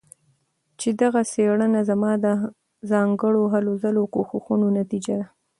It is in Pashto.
چې دغه څيړنه زما د ځانګړو هلو ځلو او کوښښونو نتيجه ده